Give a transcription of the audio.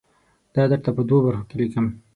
دا درته په دوو برخو کې لیکم.